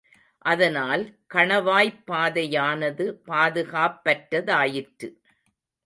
அதனால் கணவாய்ப் பாதையானது பாதுகாப்பற்றதாயிற்று.